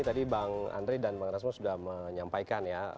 tadi bang andre dan bang rasmo sudah menyampaikan ya